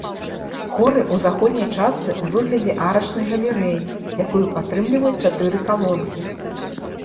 Хоры ў заходняй частцы ў выглядзе арачнай галерэі, якую падтрымліваюць чатыры калонкі.